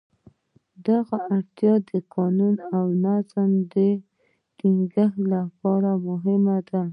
دغه اړتیا د قانون او نظم د ټینګښت لپاره مهمه ده.